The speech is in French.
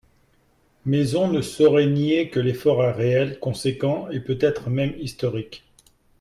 Mais on ne saurait nier que l’effort est réel, conséquent et peut-être même historique.